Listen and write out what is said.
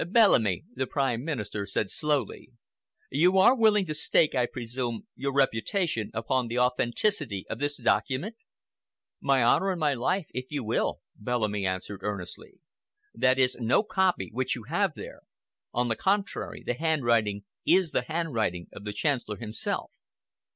"Bellamy," the Prime Minister said slowly, "you are willing to stake, I presume, your reputation upon the authenticity of this document?" "My honor and my life, if you will," Bellamy answered earnestly. "That is no copy which you have there. On the contrary, the handwriting is the handwriting of the Chancellor himself."